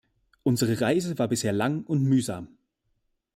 Unsere Reise war bisher lang und mühsam.